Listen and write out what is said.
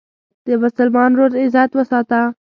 د مسلمان ورور عزت وساته.